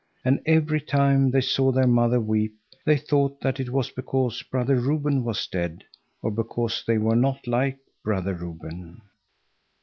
And every time they saw their mother weep, they thought that it was because Brother Reuben was dead, or because they were not like Brother Reuben.